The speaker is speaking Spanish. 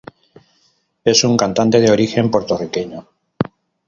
Es un cantante de origen puertorriqueño.